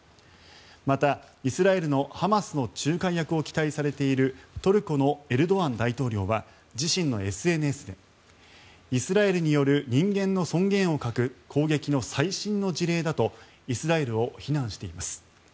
また、イスラエルとハマスの仲介役を期待されているトルコのエルドアン大統領は自身のＳＮＳでイスラエルによる人間の尊厳を欠く攻撃の最新の事例だとイスラエルを非難しています。